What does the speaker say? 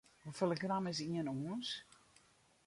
Hoefolle gram is ien ûns?